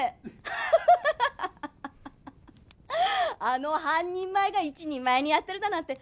あの半人前が一人前にやってるだなんて